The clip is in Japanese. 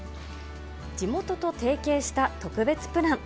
地元と提携した特別プラン。